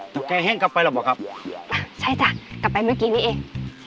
แกแห้งกลับไปแล้วบอกครับอ่ะใช่จ้ะกลับไปเมื่อกี้นี้เอง